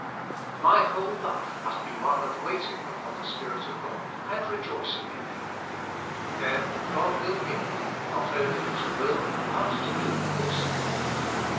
My whole life must be one of waiting upon the 184 THE SPIRITUAI. LIFE. Spirit of God and rejoicing in Him. Then God will give, not only to will but to do, also.